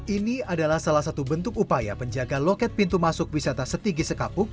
ini adalah salah satu bentuk upaya penjaga loket pintu masuk wisata setigi sekapuk